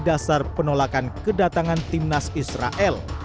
dasar penolakan kedatangan timnas israel